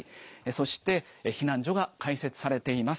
そして、避難所が開設されています。